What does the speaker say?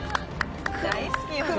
大好きよね。